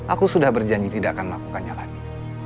aku sudah berjanji tidak akan melakukannya lagi